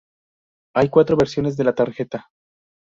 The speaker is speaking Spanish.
Hay cuatro versiones de la tarjeta.